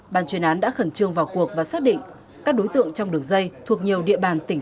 ban chuyên án đã khẩn trương vào cuộc và xác định các đối tượng trong đường dây thuộc nhiều địa bàn tỉnh